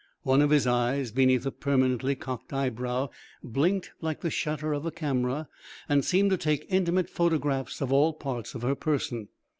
One of his eyes, beneath a permanently cocked eyebrow, blinked like the shutter of a camera and seemed to take intimate photographs of all parts of her person.